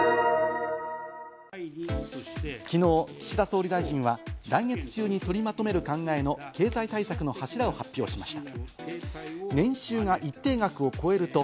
きのう、岸田総理大臣は来月中に取りまとめる考えの経済対策の柱を発表しました。